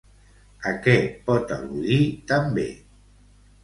A què pot al·ludir també?